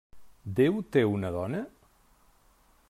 Déu té una dona?